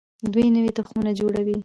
دوی نوي تخمونه جوړوي.